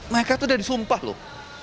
mereka itu sudah disumpah loh